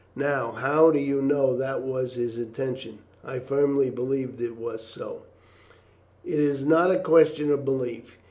Now, how do you know that that was his intention?" "I firmly believe that it was so." "It is not a question of belief.